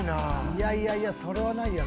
いやいやいやそれはないやろ。